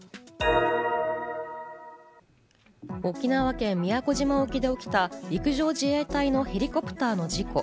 沖縄県宮古島沖で起きた陸上自衛隊のヘリコプターの事故。